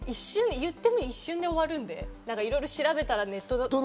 行っても一瞬で終わるのでいろいろ調べたら。